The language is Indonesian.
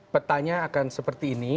petanya akan seperti ini